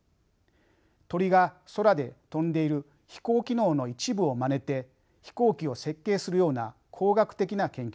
鳥が空で飛んでいる飛行機能の一部をまねて飛行機を設計するような工学的な研究です。